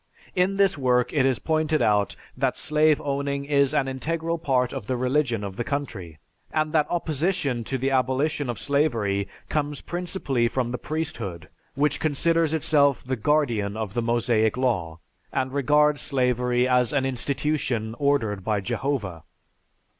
In this work it is pointed out that slave owning is an integral part of the religion of the country, and that opposition to the abolition of slavery comes principally from the priesthood which considers itself the guardian of the Mosaic law, and regards slavery as an institution ordered by Jehovah.